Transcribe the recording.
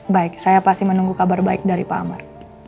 baik saya pasti menunggu kabar baik dari pak amar